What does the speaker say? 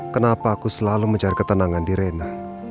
kenapa aku selalu mencari ketenangan di rena